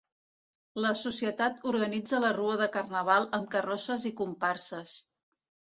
La Societat organitza la Rua de Carnaval amb carrosses i comparses.